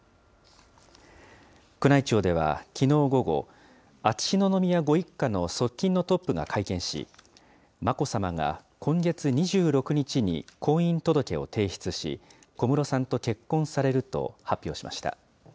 宮内庁ではきのう午後、秋篠宮ご一家の側近のトップが会見し、眞子さまが今月２６日に婚姻届を提出し、小室さんと結婚されると発表しました。